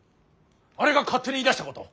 あれが勝手に言いだしたこと。